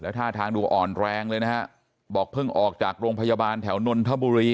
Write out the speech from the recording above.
ท่าทางดูอ่อนแรงเลยนะฮะบอกเพิ่งออกจากโรงพยาบาลแถวนนทบุรี